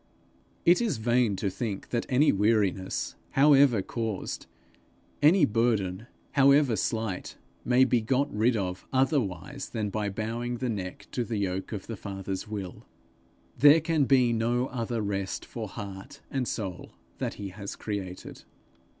It is vain to think that any weariness, however caused, any burden, however slight, may be got rid of otherwise than by bowing the neck to the yoke of the Father's will. There can be no other rest for heart and soul that he has created.